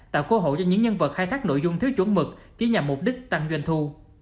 tạo cơ hội cho những nhân vật khai thác nội dung thiếu chuẩn mực chỉ nhằm mục đích tăng doanh thu